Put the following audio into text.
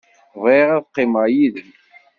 Bɣiɣ ad qqimeɣ yid-m.